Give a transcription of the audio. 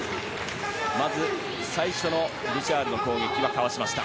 まず最初のブシャールの攻撃はかわしました。